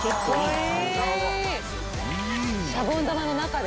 シャボン玉の中で。